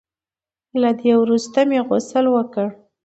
له دې وروسته مې غسل وکړ.